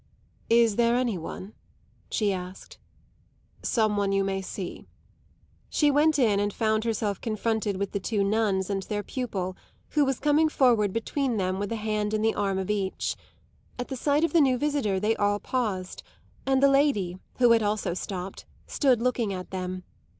"Is there any one?" she asked. "Some one you may see." She went in and found herself confronted with the two nuns and their pupil, who was coming forward, between them, with a hand in the arm of each. At the sight of the new visitor they all paused, and the lady, who had also stopped, stood looking at them.